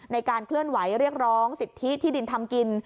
ในการเคลื่อนไหวเรียกร้องสิทธิที่ดินทำกิน